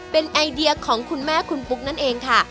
เป็นไอเดียของคุณแม่คุณปุ๊กนั่นเองค่ะ